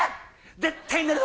絶対寝るぞ！